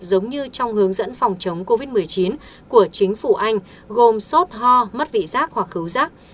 giống như trong hướng dẫn phòng chống covid một mươi chín của chính phủ anh gồm sốt ho mất vị giác hoặc cứu rác